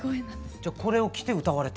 じゃあこれを着て歌われた。